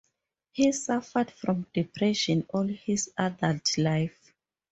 He suffered from depression all his adult life.